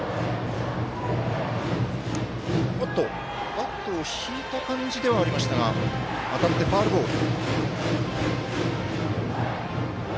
バットを引いた感じではありましたが当たってファウルボール。